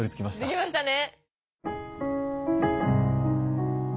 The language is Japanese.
できましたね！